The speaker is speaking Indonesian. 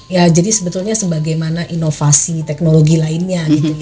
ya jadi sebetulnya sebagaimana inovasi teknologi lainnya